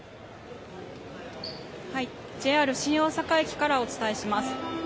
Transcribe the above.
ＪＲ新大阪駅からお伝えします。